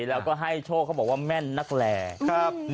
แล้วก็ให้โชคเขาบอกว่าแม่นนักแหล่